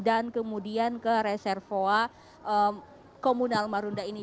dan kemudian ke reservoir komunal marunda ini